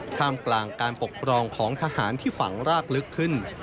ท่ามกลางการปกครองของทหารที่ฝังรากลึกขึ้น